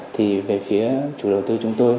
thì về phía chủ đầu tư chúng tôi